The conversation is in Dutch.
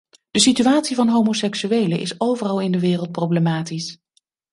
De situatie van homoseksuelen is overal in de wereld problematisch.